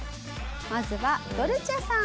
まずはドルチェさん。